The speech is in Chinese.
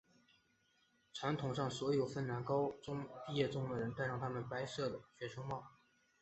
传统上所有芬兰高中毕业的人都会带上他们的白色的学生帽。